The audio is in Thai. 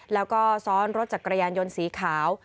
แล้วก็ซ้อนรถจักรยานยนต์สีขาว